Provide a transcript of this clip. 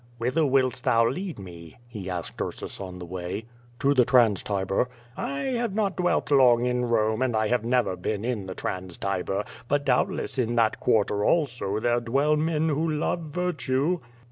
"Whither wilt thou lead me?" he asked Ursus on the way. "To the Trans Tiber." "I have not dwelt long in Rome, and I have never been in the Trans Tiber, but doubtless in that quarter also there dwell men who love virtue."